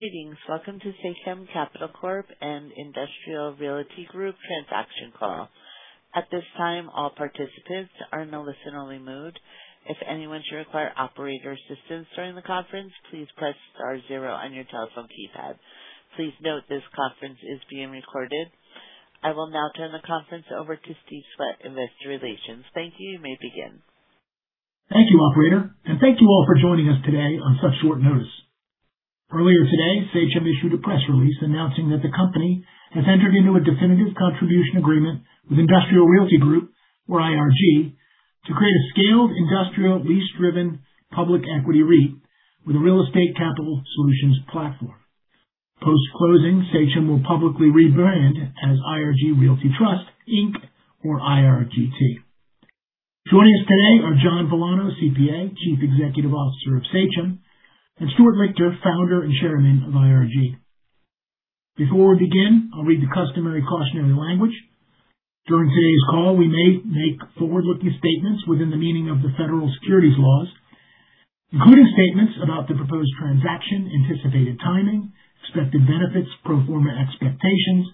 Greetings. Welcome to Sachem Capital Corp. and Industrial Realty Group transaction call. I will now turn the conference over to Steve Swett, Investor Relations. Thank you. You may begin. Thank you, operator, and thank you all for joining us today on such short notice. Earlier today, Sachem issued a press release announcing that the company has entered into a definitive contribution agreement with Industrial Realty Group, or IRG, to create a scaled industrial lease-driven public equity REIT with a real estate capital solutions platform. Post-closing, Sachem will publicly rebrand as IRG Realty Trust, Inc., or IRGT. Joining us today are John Villano, CPA, Chief Executive Officer of Sachem, and Stuart Lichter, Founder and Chairman of IRG. Before we begin, I'll read the customary cautionary language. During today's call, we may make forward-looking statements within the meaning of the federal securities laws, including statements about the proposed transaction, anticipated timing, expected benefits, pro forma expectations,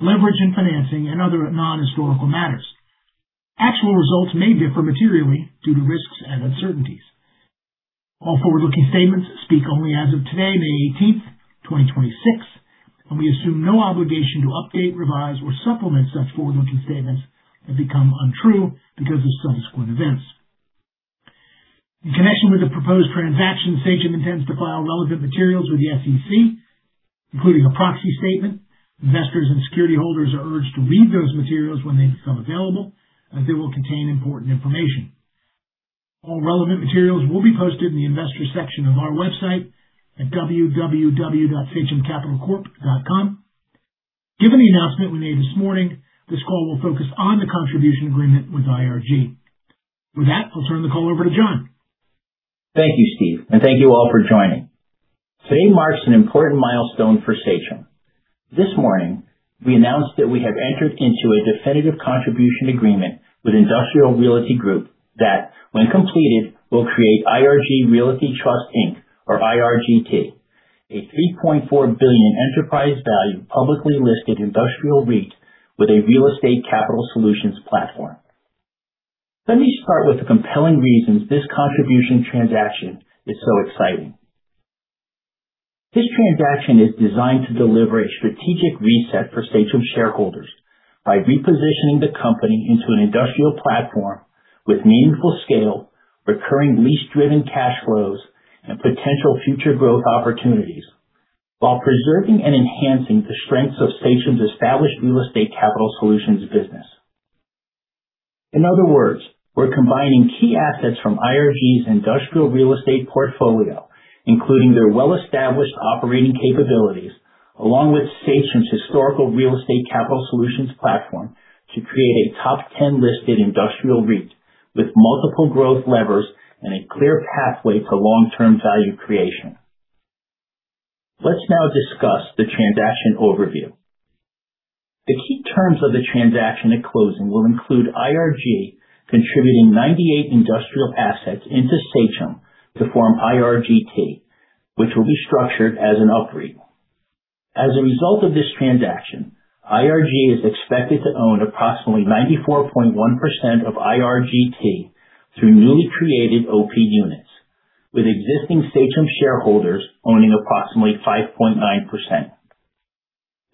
leverage and financing, and other non-historical matters. Actual results may differ materially due to risks and uncertainties. All forward-looking statements speak only as of today, May 18th, 2026, and we assume no obligation to update, revise or supplement such forward-looking statements that become untrue because of subsequent events. In connection with the proposed transaction, Sachem intends to file relevant materials with the SEC, including a proxy statement. Investors and security holders are urged to read those materials when they become available, as they will contain important information. All relevant materials will be posted in the investor section of our website at www.sachemcapitalcorp.com. Given the announcement we made this morning, this call will focus on the contribution agreement with IRG. With that, I'll turn the call over to John. Thank you, Steve, and thank you all for joining. Today marks an important milestone for Sachem. This morning, we announced that we have entered into a definitive contribution agreement with Industrial Realty Group that, when completed, will create IRG Realty Trust, Inc., or IRGT, a $3.4 billion enterprise value publicly listed industrial REIT with a real estate capital solutions platform. Let me start with the compelling reasons this contribution transaction is so exciting. This transaction is designed to deliver a strategic reset for Sachem shareholders by repositioning the company into an industrial platform with meaningful scale, recurring lease-driven cash flows, and potential future growth opportunities while preserving and enhancing the strengths of Sachem's established real estate capital solutions business. In other words, we're combining key assets from IRG's industrial real estate portfolio, including their well-established operating capabilities, along with Sachem's historical real estate capital solutions platform to create a top 10 listed industrial REIT with multiple growth levers and a clear pathway to long-term value creation. Let's now discuss the transaction overview. The key terms of the transaction at closing will include IRG contributing 98 industrial assets into Sachem to form IRGT, which will be structured as an UPREIT. As a result of this transaction, IRG is expected to own approximately 94.1% of IRGT through newly created OP units, with existing Sachem shareholders owning approximately 5.9%.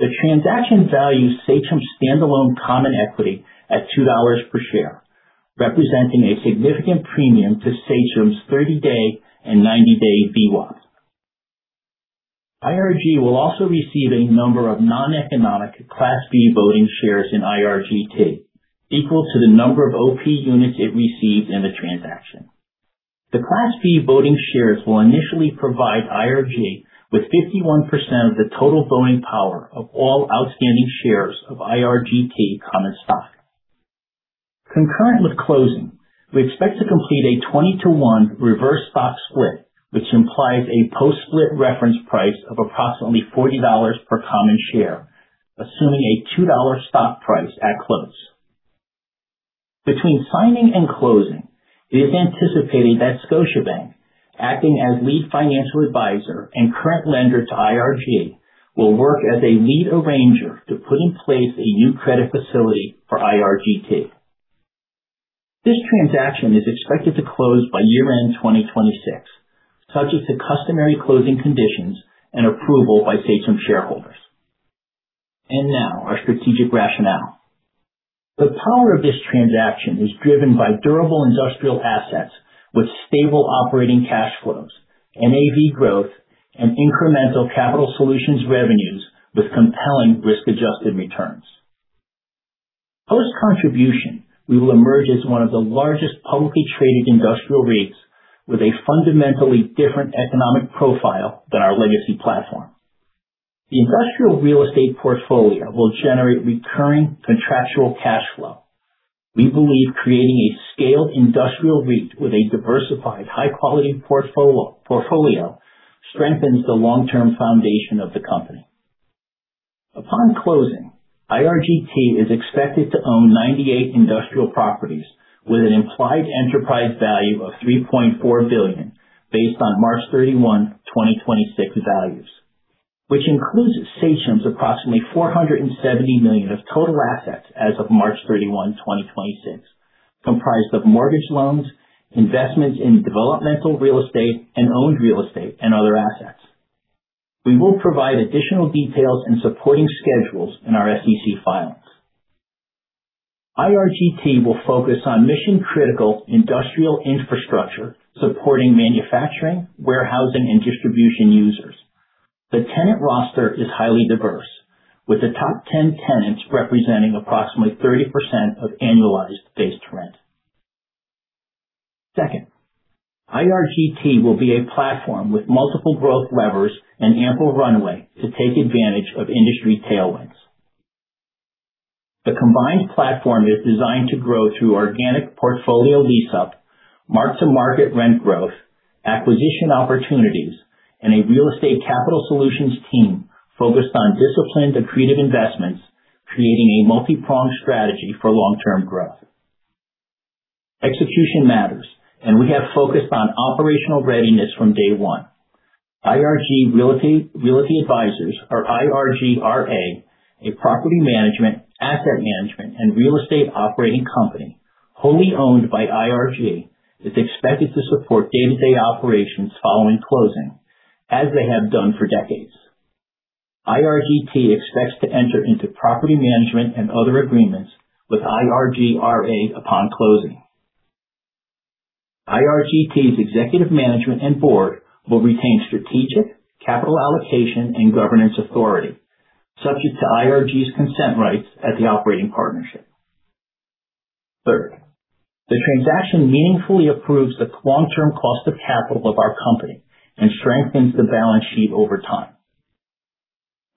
The transaction values Sachem's standalone common equity at $2 per share, representing a significant premium to Sachem's 30-day and 90-day VWAP. IRG will also receive a number of non-economic Class B voting shares in IRGT, equal to the number of OP units it receives in the transaction. The Class B voting shares will initially provide IRG with 51% of the total voting power of all outstanding shares of IRGT common stock. Concurrent with closing, we expect to complete a 20 to 1 reverse stock split, which implies a post-split reference price of approximately $40 per common share, assuming a $2 stock price at close. Between signing and closing, it is anticipated that Scotiabank, acting as lead financial advisor and current lender to IRG, will work as a lead arranger to put in place a new credit facility for IRGT. This transaction is expected to close by year-end 2026, subject to customary closing conditions and approval by Sachem shareholders. Now our strategic rationale. The power of this transaction is driven by durable industrial assets with stable operating cash flows, NAV growth, and incremental capital solutions revenues with compelling risk-adjusted returns. Post-contribution, we will emerge as one of the largest publicly traded industrial REITs with a fundamentally different economic profile than our legacy platform. The industrial real estate portfolio will generate recurring contractual cash flow. We believe creating a scaled industrial REIT with a diversified, high-quality portfolio strengthens the long-term foundation of the company. Upon closing, IRGT is expected to own 98 industrial properties with an implied enterprise value of $3.4 billion based on March 31, 2026 values, which includes Sachem's approximately $470 million of total assets as of March 31, 2026, comprised of mortgage loans, investments in developmental real estate, and owned real estate and other assets. We will provide additional details and supporting schedules in our SEC filings. IRGT will focus on mission-critical industrial infrastructure supporting manufacturing, warehousing, and distribution users. The tenant roster is highly diverse, with the top 10 tenants representing approximately 30% of annualized base rent. Second, IRGT will be a platform with multiple growth levers and ample runway to take advantage of industry tailwinds. The combined platform is designed to grow through organic portfolio lease-up, mark-to-market rent growth, acquisition opportunities, and a real estate capital solutions team focused on disciplined but creative investments, creating a multi-pronged strategy for long-term growth. Execution matters. We have focused on operational readiness from day one. IRG Realty Advisors, or IRGRA, a property management, asset management, and real estate operating company wholly owned by IRG, is expected to support day-to-day operations following closing, as they have done for decades. IRGT expects to enter into property management and other agreements with IRGRA upon closing. IRGT's executive management and board will retain strategic, capital allocation, and governance authority, subject to IRG's consent rights at the operating partnership. Third, the transaction meaningfully improves the long-term cost of capital of our company and strengthens the balance sheet over time.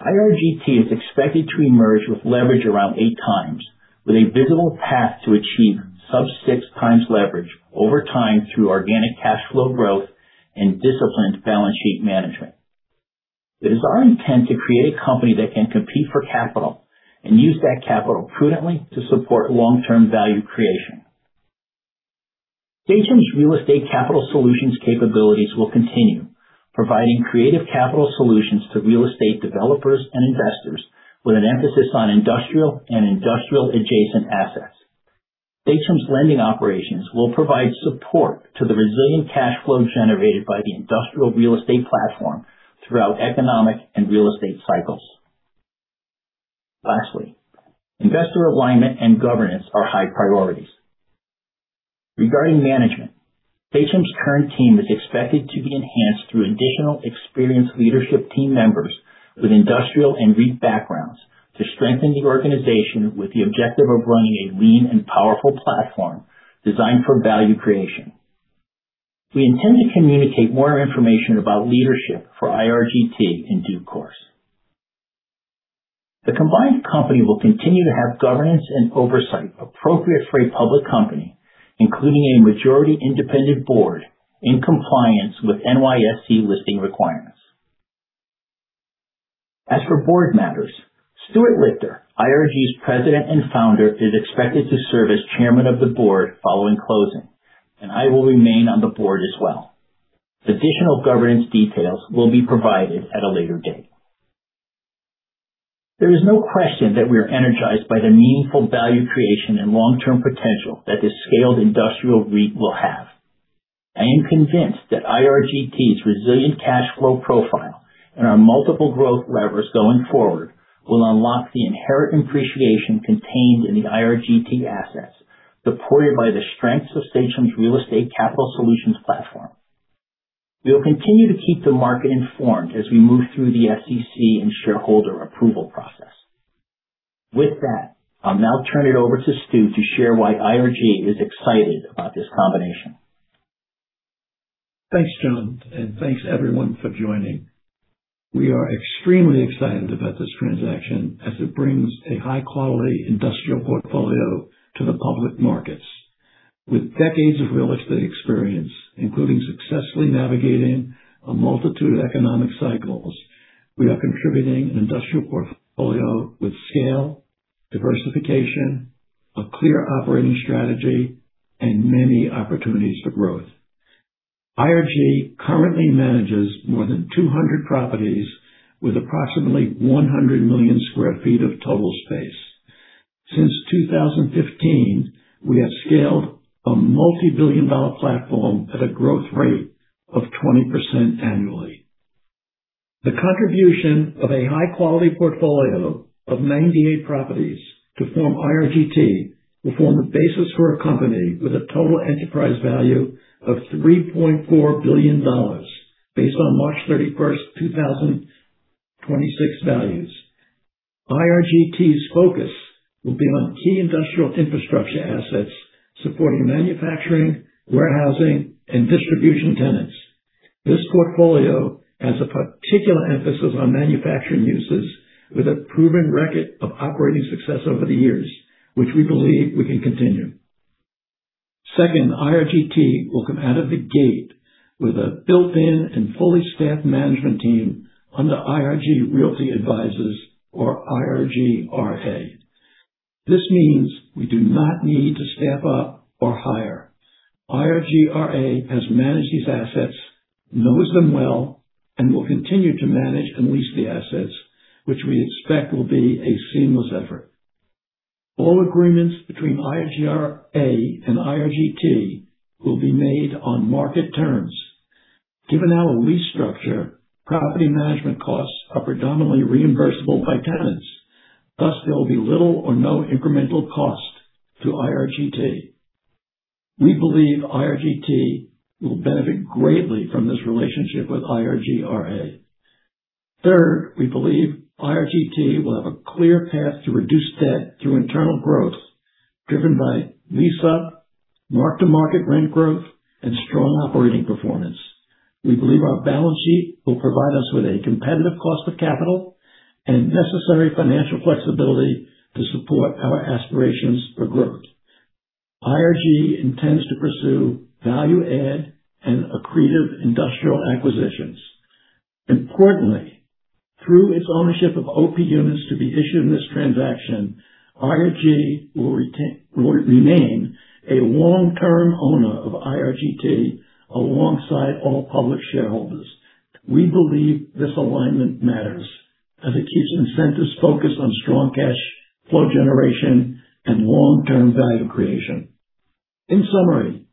IRGT is expected to emerge with leverage around eight times, with a visible path to achieve sub 6 times leverage over time through organic cash flow growth and disciplined balance sheet management. It is our intent to create a company that can compete for capital and use that capital prudently to support long-term value creation. Sachem's real estate capital solutions capabilities will continue, providing creative capital solutions to real estate developers and investors with an emphasis on industrial and industrial-adjacent assets. Sachem's lending operations will provide support to the resilient cash flow generated by the industrial real estate platform throughout economic and real estate cycles. Lastly, investor alignment and governance are high priorities. Regarding management, Sachem's current team is expected to be enhanced through additional experienced leadership team members with industrial and REIT backgrounds to strengthen the organization with the objective of running a lean and powerful platform designed for value creation. We intend to communicate more information about leadership for IRGT in due course. The combined company will continue to have governance and oversight appropriate for a public company, including a majority independent board in compliance with NYSE listing requirements. As for board matters, Stuart Lichter, IRG's president and founder, is expected to serve as chairman of the board following closing, and I will remain on the board as well. Additional governance details will be provided at a later date. There is no question that we are energized by the meaningful value creation and long-term potential that this scaled industrial REIT will have. I am convinced that IRGT's resilient cash flow profile and our multiple growth levers going forward will unlock the inherent appreciation contained in the IRGT assets, supported by the strengths of Sachem's real estate capital solutions platform. We will continue to keep the market informed as we move through the SEC and shareholder approval process. With that, I'll now turn it over to Stu to share why IRG is excited about this combination. Thanks, John, and thanks everyone for joining. We are extremely excited about this transaction as it brings a high-quality industrial portfolio to the public markets. With decades of real estate experience, including successfully navigating a multitude of economic cycles, we are contributing an industrial portfolio with scale, diversification, a clear operating strategy, and many opportunities for growth. IRG currently manages more than 200 properties with approximately 100 million sq ft of total space. Since 2015, we have scaled a multi-billion dollar platform at a growth rate of 20% annually. The contribution of a high-quality portfolio of 98 properties to form IRGT will form a basis for a company with a total enterprise value of $3.4 billion based on March 31st 2026 values. IRGT's focus will be on key industrial infrastructure assets supporting manufacturing, warehousing, and distribution tenants. This portfolio has a particular emphasis on manufacturing uses with a proven record of operating success over the years, which we believe we can continue. Second, IRGT will come out of the gate with a built-in and fully staffed management team under IRG Realty Advisors, or IRGRA. This means we do not need to staff up or hire. IRGRA has managed these assets, knows them well, and will continue to manage and lease the assets, which we expect will be a seamless effort. All agreements between IRGRA and IRGT will be made on market terms. Given our lease structure, property management costs are predominantly reimbursable by tenants. Thus, there will be little or no incremental cost to IRGT. We believe IRGT will benefit greatly from this relationship with IRGRA. Third, we believe IRGT will have a clear path to reduce debt through internal growth driven by lease-up, mark-to-market rent growth, and strong operating performance. We believe our balance sheet will provide us with a competitive cost of capital and necessary financial flexibility to support our aspirations for growth. IRG intends to pursue value add and accretive industrial acquisitions. Importantly, through its ownership of OP units to be issued in this transaction, IRG will remain a long-term owner of IRGT alongside all public shareholders. We believe this alignment matters as it keeps incentives focused on strong cash flow generation and long-term value creation. In summary,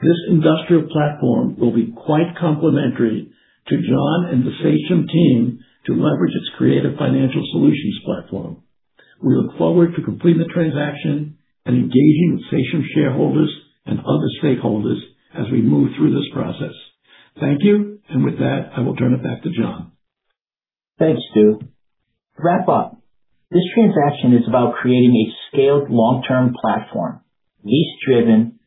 this industrial platform will be quite complementary to John and the Sachem team to leverage its creative financial solutions platform. We look forward to completing the transaction and engaging with Sachem shareholders and other stakeholders as we move through this process. Thank you. With that, I will turn it back to John. Thanks, Stu. To wrap up, this transaction is about creating a scaled long-term platform, lease-driven,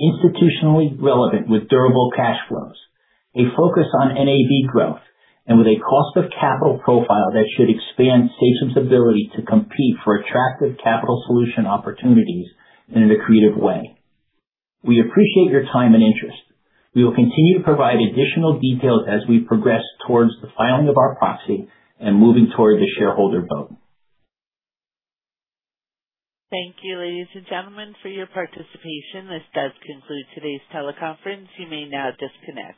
institutionally relevant with durable cash flows, a focus on NAV growth, and with a cost of capital profile that should expand Sachem's ability to compete for attractive capital solution opportunities and in an accretive way. We appreciate your time and interest. We will continue to provide additional details as we progress towards the filing of our proxy and moving toward the shareholder vote. Thank you, ladies and gentlemen, for your participation. This does conclude today's teleconference. You may now disconnect.